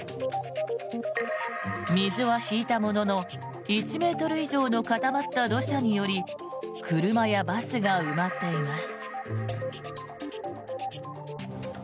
水は引いたものの１ｍ以上の固まった土砂により車やバスが埋まっています。